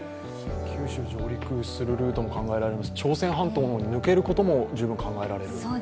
九州上陸するルートも考えられるし朝鮮半島に抜けることも十分考えられる。